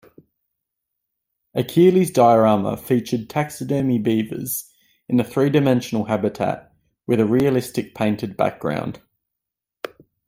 Akeley's diorama featured taxidermied beavers in a three-dimensional habitat with a realistic, painted background.